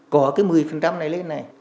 có cái một mươi này lên này